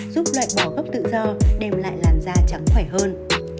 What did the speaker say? giúp loại bỏ gốc tự do đem lại làn da trắng khỏe hơn